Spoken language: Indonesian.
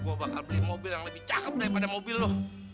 gue bakal beli mobil yang lebih cakep daripada mobil loh